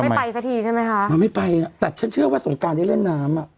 ไม่ไปสักทีใช่ไหมคะอ่าไม่ไปอ่ะแต่ฉันเชื่อว่าสงการได้เล่นน้ำอ่ะ